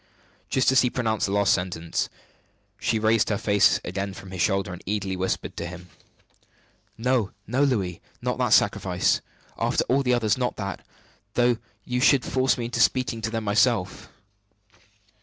Just as he pronounced the last sentence, she raised her face again from his shoulder, and eagerly whispered to him: "No, no, Louis! Not that sacrifice, after all the others not that, though you should force me into speaking to them myself!"